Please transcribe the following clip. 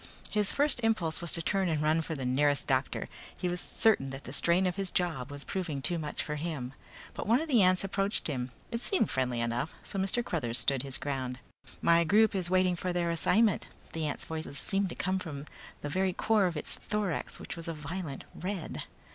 His first impulse was to turn and run for the nearest doctor. He was certain that the strain of his job was proving too much for him. But one of the ants approached him. It seemed friendly enough, so Mr. Cruthers stood his ground. "My group is waiting for their assignment." The ant's voice seemed to be coming from the very core of its thorax which was a violent red.